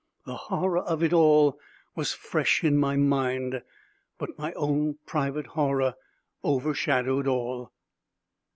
The horror of it all was fresh in my mind, but my own private horror overshadowed all.